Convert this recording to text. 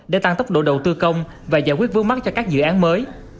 để tăng tốc độ đầu tư công và giải quyết vương mắc cho các dự án mới